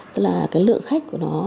tức là cái lượng khách của nó